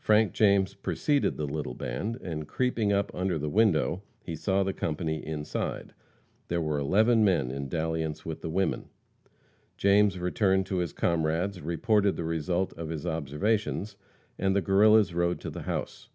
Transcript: Frank James preceded the little band, and, creeping up under the window, he saw the company inside. There were eleven men in dalliance with the women. James returned to his comrades, reported the result of his observations, and the Guerrillas rode to the house.